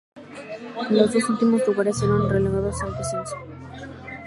Los dos últimos lugares eran relegados al descenso.